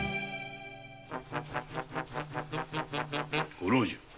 ご老中。